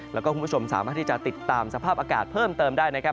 แล้วก็คุณผู้ชมสามารถที่จะติดตามสภาพอากาศเพิ่มเติมได้นะครับ